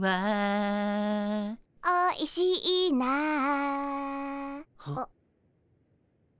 「おいしいな」あ。